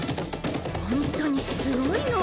ホントにすごい能力。